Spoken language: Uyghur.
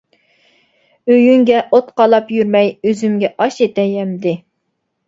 ئۆيۈڭگە ئوت قالاپ يۈرمەي، ئۆزۈمگە ئاش ئېتەي ئەمدى.